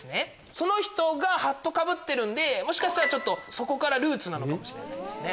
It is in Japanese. その人がハットかぶってるんでもしかしたらそこがルーツなのかもしれないですね。